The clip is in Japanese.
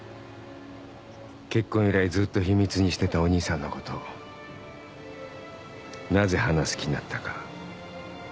結婚以来ずっと秘密にしてたお兄さんのことなぜ話す気になったか。